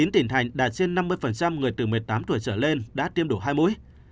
chín tỉnh thành đạt trên năm mươi người từ một mươi tám tuổi trở lên đã tiêm đủ hai mũi